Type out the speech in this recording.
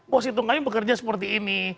wah sintung kami bekerja seperti ini